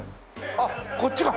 あっこっちか！